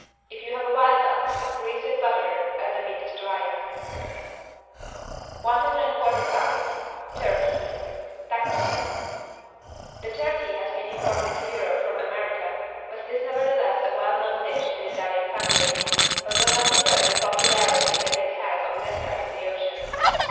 If you have a wild duck grease with butter, as the meat is drier. 145 TURKEY (Tacchino) The turkey has been imported to Europe from America, but it is nevertheless a well known dish in Italian families, although not enjoying the popularity that it has on this side of the ocean.